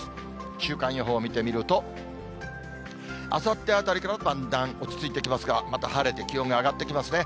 週間予報を見てみると、あさってあたりからだんだん落ち着いてきますが、また晴れて気温が上がってきますね。